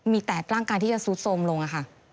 มีแต่ร่างกายที่จะซุดสมลงค่ะ